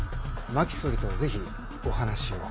真木総理と是非お話を。